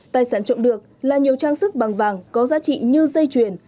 tài sản trộm được là nhiều trang sức bằng vàng có giá trị như dây chuyền